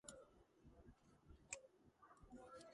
შესართავთან გაშენებულია მსხვილი სამდინარო პორტი დუისბურგი.